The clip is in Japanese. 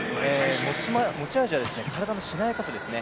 持ち味は体のしなやかさですね